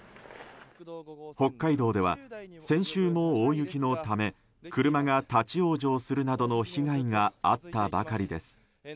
北海道では先週も大雪のため車が立ち往生するなどの被害があったばかりです。